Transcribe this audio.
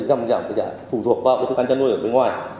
dòng dàng phụ thuộc vào thức ăn chăn nuôi ở bên ngoài